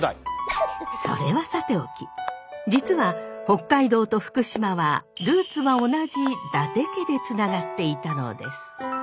それはさておき実は北海道と福島はルーツは同じ伊達家でつながっていたのです。